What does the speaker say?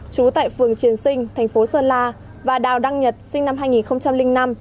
trú tại phường triền sinh thành phố sơn la và đào đăng nhật sinh năm hai nghìn năm